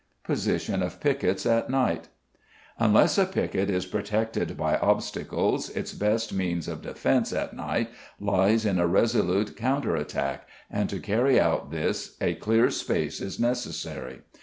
Position of Piquets at Night. Unless a piquet is protected by obstacles, its best means of defence at night lies in a resolute counter attack, and to carry out this a clear space is necessary.